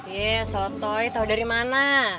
yee so toy tau dari mana